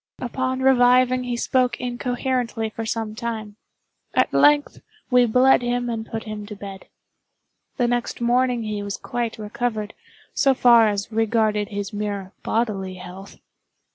Upon reviving he spoke incoherently for some time. At length we bled him and put him to bed. The next morning he was quite recovered, so far as regarded his mere bodily health.